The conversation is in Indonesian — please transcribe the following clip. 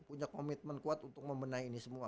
punya komitmen kuat untuk membenahi ini semua